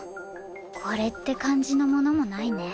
これって感じのものもないね。